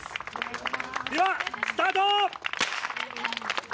では、スタート。